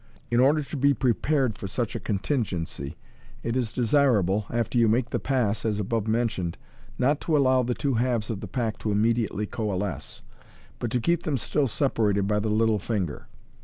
In order to be prepared for such a contingency, it is desirable, after you make the pass as above men tioned, not to allow the two halves of the pack to immediately coalesce, but to keep them still separated by the little finger.